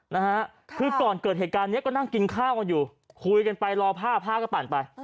นะฮะคือก่อนเกิดเหตุการณ์เนี้ยก็นั่งกินข้าวกันอยู่คุยกันไปรอผ้าผ้าก็ปั่นไป